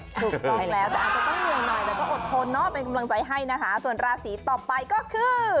ใช่แหละแต่ก็อดทนให้นะส่วนราศีกัณฑ์ต่อไปก็คือ